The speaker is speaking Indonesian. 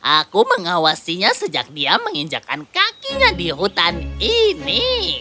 aku mengawasinya sejak dia menginjakan kakinya di hutan ini